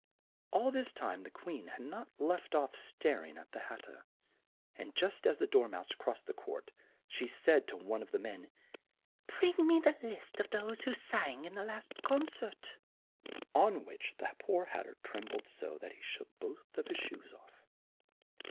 All this time the Queen had not left off star ing at the Hat ter, and just as the Dor mouse crossed the court, she said to one of the men, "Bring me the list of those who sang in the last con cert," on which the poor Hat ter trembled so, that he shook both his shoes off.